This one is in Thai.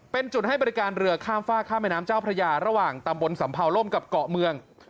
เป็นจุดให้บริการเรือข้ามฝ้าข้ามแม่น้ำเจ้าพระยาระหว่างตำบลสำเภาล่มกับเกาะเมือง